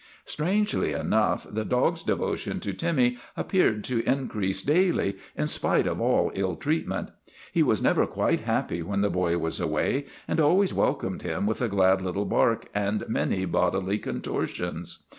Strangely enough, the dog's devotion to Timmy appeared to increase daily, in spite of all ill treat ment. He was never quite happy when the boy was away and always welcomed him with a glad little bark and many bodily contortions.